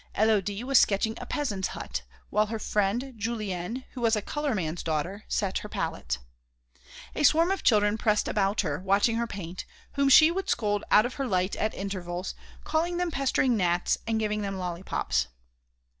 Élodie was sketching a peasant's hut, while her friend Julienne, who was a colourman's daughter, set her palette. A swarm of children pressed about her, watching her paint, whom she would scold out of her light at intervals, calling them pestering gnats and giving them lollipops.